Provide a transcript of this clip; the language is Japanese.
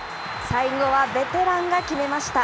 最後はベテランが決めました。